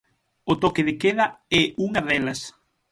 O toque de queda é unha delas.